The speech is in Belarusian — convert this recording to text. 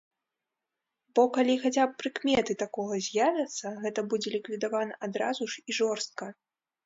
Бо калі хаця б прыкметы такога з'явяцца, гэта будзе ліквідавана адразу ж і жорстка.